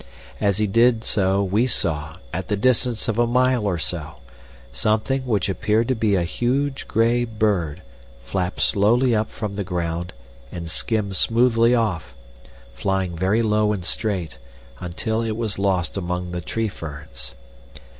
As he did so we saw, at the distance of a mile or so, something which appeared to be a huge gray bird flap slowly up from the ground and skim smoothly off, flying very low and straight, until it was lost among the tree ferns.